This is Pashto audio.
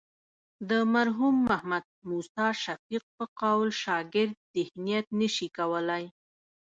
د مرحوم محمد موسی شفیق په قول شاګرد ذهنیت نه شي کولی.